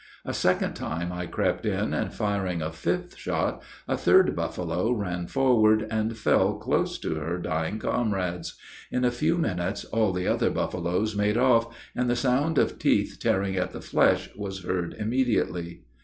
A second time I crept in, and, firing a fifth shot, a third buffalo ran forward, and fell close to her dying comrades: in a few minutes all the other buffaloes made off, and the sound of teeth tearing at the flesh was heard immediately.